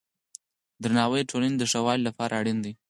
درناوی د ټولنې د ښه والي لپاره اړین دی.